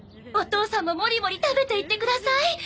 お父さんもモリモリ食べていってください。